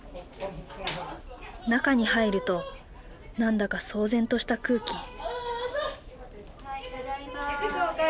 中に入ると何だか騒然とした空気。